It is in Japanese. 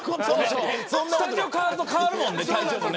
スタジオ変わると変わるもんね。